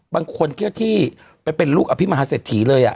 บางคนเที่ยวที่ไปเป็นลูกอภิมหาเศรษฐีเลย